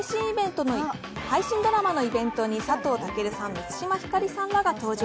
配信ドラマのイベントに佐藤健さんと満島ひかりさんが登場。